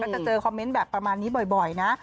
จะเจอคอมเมนต์แบบประมาณนี้บ่อยนะ